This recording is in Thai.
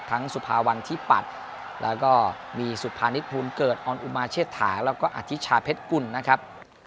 สุภาวันที่ปัตย์แล้วก็มีสุภานิษฐภูมิเกิดออนอุมาเชษฐาแล้วก็อธิชาเพชรกุลนะครับ